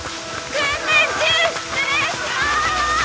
訓練中失礼します！